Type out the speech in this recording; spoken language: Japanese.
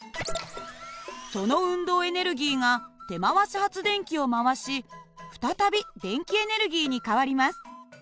その運動エネルギーが手回し発電機を回し再び電気エネルギーに変わります。